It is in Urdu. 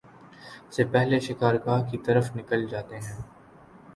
سے پہلے شکار گاہ کی طرف نکل جاتے ہیں